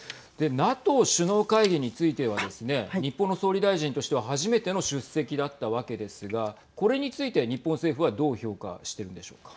ＮＡＴＯ首脳会議についてはですね日本の総理大臣としては初めての出席だったわけですがこれについて日本政府はどう評価しているんでしょうか。